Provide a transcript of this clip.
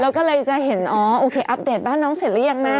เราก็เลยจะเห็นอัปเดตบ้านน้องเสร็จแล้วยังไง